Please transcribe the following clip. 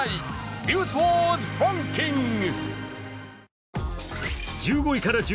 「ニュースワードランキング」。